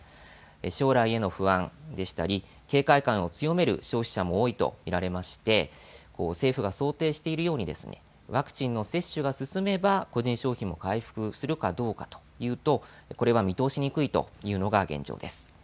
将来への不安でしたり警戒感を強める消費者もいまして政府が想定しているようにワクチンの接種が進めば個人消費も回復するかどうかというとこれは見通しにくいというのが現状です。